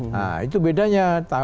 nah itu bedanya